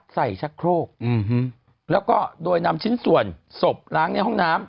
ชักโครกแล้วก็โดยนำชิ้นส่วนศพล้างในห้องน้ำ